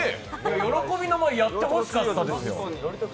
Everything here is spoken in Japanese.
喜びの舞、やってほしかったですよ。